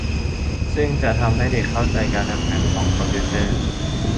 ซึ่งจะทำให้เด็กเข้าใจการทำงานของคอมพิวเตอร์